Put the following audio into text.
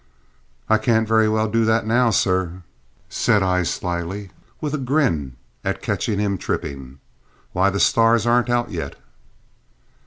"I can't very well do that now, sir," said I slily, with a grin at catching him tripping. "Why, the stars aren't out yet."